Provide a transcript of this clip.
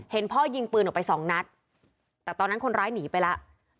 พ่อยิงปืนออกไปสองนัดแต่ตอนนั้นคนร้ายหนีไปแล้ว